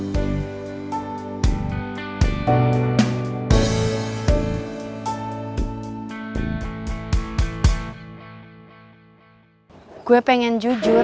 hai gue pengen jujur